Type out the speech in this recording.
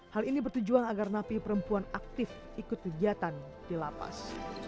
hal ini bertujuan agar napi perempuan aktif ikut kegiatan di lapas